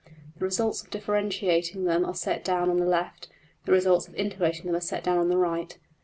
The results of differentiating them are set down on the left; the results of integrating them are set down on the right.